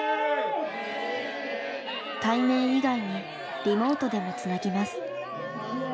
対面以外にリモートでもつなぎます。